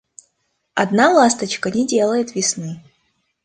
Одна ласточка не делает весны.